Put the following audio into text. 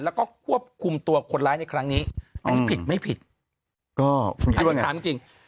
แล้วก็ควบคุมตัวคนร้ายในครั้งนี้อันนี้ผิดไม่ผิดก็อันนี้ถามจริง